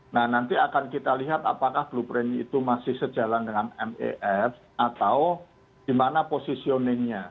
nah nanti akan kita lihat apakah blueprint itu masih sejalan dengan mef atau di mana positioningnya